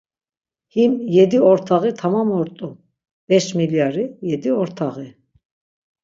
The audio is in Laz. Him yedi ort̆aği tamam ort̆u, beş milyari, yedi ort̆aği.